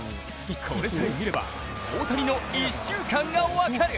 これさえ見れば大谷の１週間が分かる！